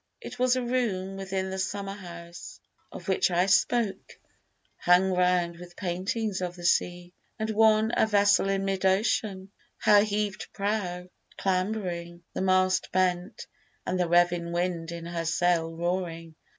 It was a room Within the summer house of which I spoke, Hung round with paintings of the sea, and one A vessel in mid ocean, her heaved prow Clambering, the mast bent, and the revin wind In her sail roaring.